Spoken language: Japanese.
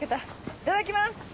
いただきます。